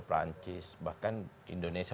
perancis bahkan indonesia